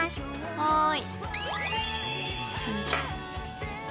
はい。